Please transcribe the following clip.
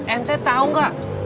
ente tau gak